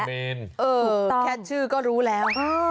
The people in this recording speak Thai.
เออแค่ชื่อก็รู้แล้ว